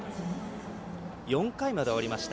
４回まで終わりました。